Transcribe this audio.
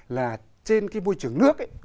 là trên cái môi trường nước ấy